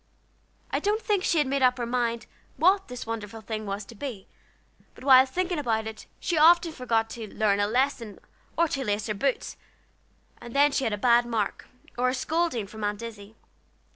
I don't think she had made up her mind what this wonderful thing was to be; but while thinking about it she often forgot to learn a lesson, or to lace her boots, and then she had a bad mark, or a scolding from Aunt Izzie.